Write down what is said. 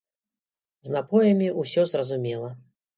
З напоямі ўсё зразумела.